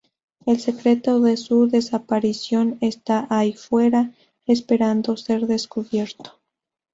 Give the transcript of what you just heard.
El secreto de su desaparición está ahí fuera, esperando a ser descubierto.